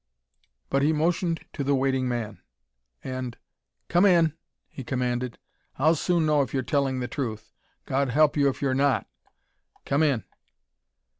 But he motioned to the waiting man, and "Come in!" he commanded. "I'll soon know if you're telling the truth. God help you if you're not.... Come in."